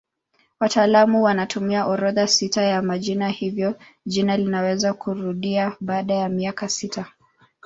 Wataalamu wanatumia orodha sita ya majina hivyo jina linaweza kurudia baada ya miaka sita.